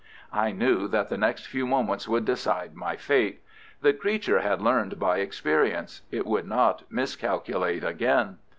I knew that the next few moments would decide my fate. The creature had learned by experience. It would not miscalculate again.